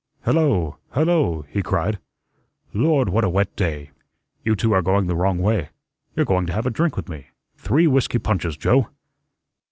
"Hello, hello," he cried. "Lord, what a wet day! You two are going the wrong way. You're going to have a drink with me. Three whiskey punches, Joe."